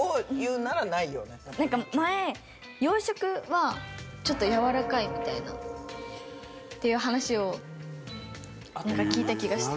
なんか前養殖はちょっとやわらかいみたいなっていう話をなんか聞いた気がして。